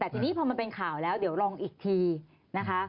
แต่ทีนี้พอมันเป็นข่าวแล้วเดี๋ยวลองอีกทีนะคะ